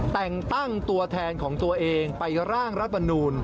แต่งตั้งตัวแทนของตัวเองไปร่างรัฐมนูล